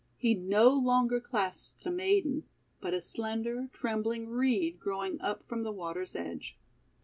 He no longer clasped a maiden, but a slender, trembling Reed growing up from the water's edge.